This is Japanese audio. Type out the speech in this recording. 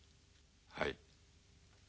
はい。